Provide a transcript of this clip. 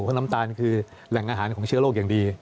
เพราะน้ำตาลคือแหล่งอาหารของเชื้อโรคอย่างดี